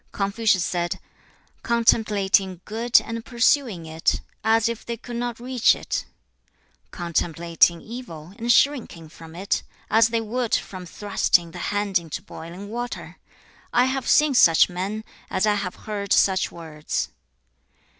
Confucius said, 'Contemplating good, and pursuing it, as if they could not reach it; contemplating evil, and shrinking from it, as they would from thrusting the hand into boiling water: I have seen such men, as I have heard such words.